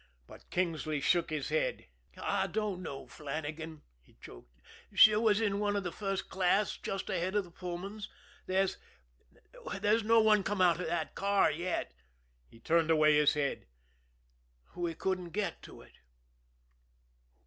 But Kingsley shook his head. "I don't know, Flannagan," he choked. "She was in the first class just ahead of the Pullmans. There's there's no one come out of that car yet" he turned away his head "we couldn't get to it."